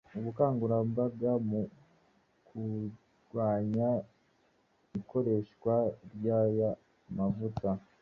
ubukanguramabaga mu kurwanya ikoreshwa ry’aya mavuta